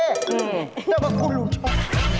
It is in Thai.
แต่ว่าคุณลุชอบ